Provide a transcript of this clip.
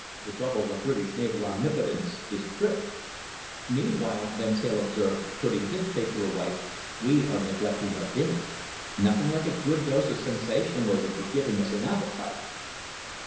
The bubble of British naval omnipotence is pricked." "Meanwhile," Van Teyl observed, putting his paper away, "we are neglecting our dinner. Nothing like a good dose of sensationalism for giving us an appetite."